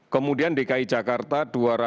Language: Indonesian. kemudian dki jakarta dua ratus enam puluh tiga